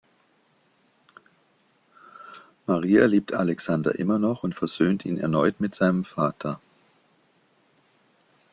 Maria liebt Alexander immer noch und versöhnt ihn erneut mit seinem Vater.